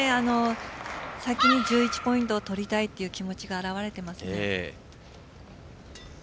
先に１１ポイントを取りたいという気持ちが表れていますね。